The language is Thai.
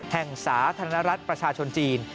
สาธารณรัฐประชาชนจีน